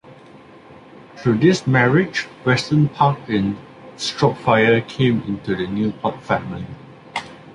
Through this marriage Weston Park in Shropshire came into the Newport family.